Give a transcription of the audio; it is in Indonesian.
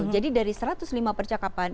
jadi dari satu ratus lima percakapan